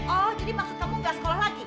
oh jadi maksud kamu gak sekolah lagi